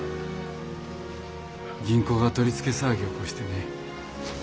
銀行が取り付け騒ぎを起こしてね。